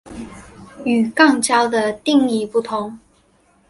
与肛交的定义不同。